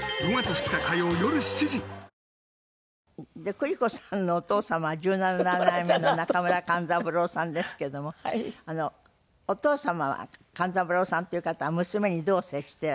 久里子さんのお父様は十七代目の中村勘三郎さんですけどもお父様は勘三郎さんという方は娘にどう接してらしたの？